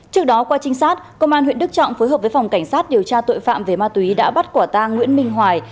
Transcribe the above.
trước đó qua trinh sát công an huyện đức trọng phối hợp với phòng cảnh sát điều tra tội phạm về ma túy đã bắt quả tang nguyễn minh hoài